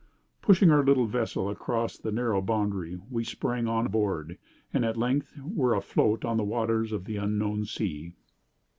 Pushing our little vessel across the narrow boundary, we sprang on board, and at length were afloat on the waters of the unknown sea.